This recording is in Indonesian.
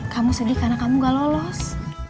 kamu sedih karena kamu gak lolos